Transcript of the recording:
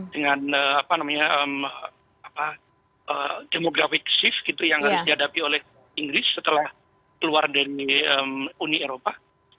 dengan demographic shift gitu yang harus dihadapi oleh inggris setelah keluar dari uni eropa